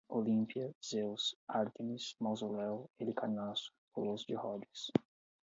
Gizé, Olímpia, Zeus, Ártemis, Mausoléu, Helicarnasso, Colosso de Rodes